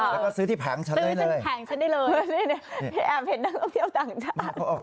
แล้วก็ซื้อที่แผงฉันเลยซื้อแผงฉันได้เลยแอบเห็นนักท่องเที่ยวต่างชาติ